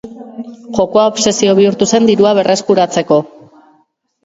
Jokoa obsesio bihurtu zen dirua berreskuratzeko.